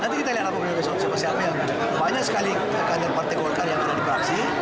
nanti kita lihat apa penyelesaian siapa siapa yang banyak sekali kader partai golkar yang telah dibahasi